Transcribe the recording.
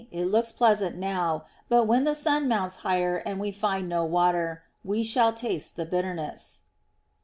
It looks pleasant now; but when the sun mounts higher and we find no water, we shall taste the bitterness."